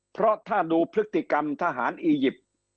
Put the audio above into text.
เพราะถ้าดูพฤติกรรมทหารอียิปต์